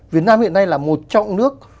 việt nam hiện nay là một trong nước